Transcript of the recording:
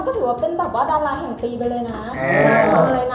แต่ว่ากลมปันเป็นแบบว่าดาราร์แห่งปีไปเลยนะ